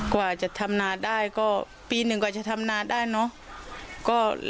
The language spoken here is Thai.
กว่าจะทำนาได้ก็ปีหนึ่งกว่าจะทำนาได้เนอะ